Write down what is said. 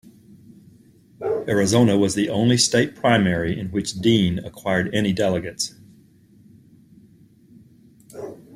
Arizona was the only state primary in which Dean acquired any delegates.